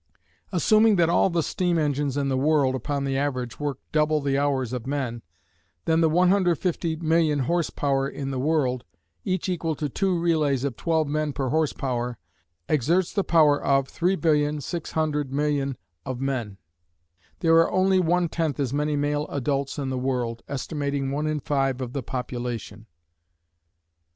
Assuming that all the steam engines in the world upon the average work double the hours of men, then the 150,000,000 horse power in the world, each equal to two relays of twelve men per horse power, exerts the power of 3,600,000,000 of men. There are only one tenth as many male adults in the world, estimating one in five of the population.